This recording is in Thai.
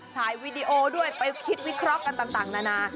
วีดีโอด้วยไปคิดวิเคราะห์กันต่างนานา